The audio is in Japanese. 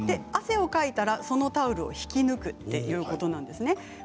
汗をかいたらそのタオルを引き抜くということなんです。